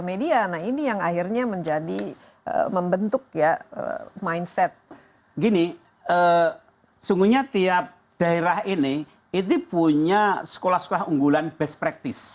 mindset gini eh sungguhnya tiap daerah ini itu punya sekolah sekolah unggulan best practice